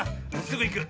すぐいく。